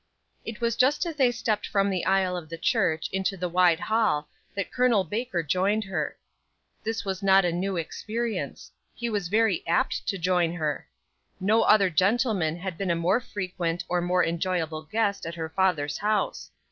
It was just as they stepped from the aisle of the church into the wide hall that Col. Baker joined her. This was not a new experience. He was very apt to join her. No other gentleman had been a more frequent or more enjoyable guest at her father's house.